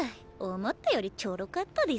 思ったよりちょろかったですの。